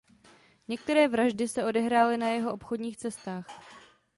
Některé vraždy se odehrály na jeho obchodních cestách.